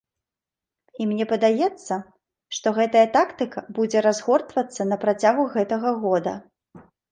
І мне падаецца, што гэтая тактыка будзе разгортвацца на працягу гэтага года.